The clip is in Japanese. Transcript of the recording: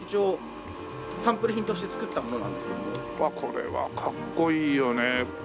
これはかっこいいよねえ。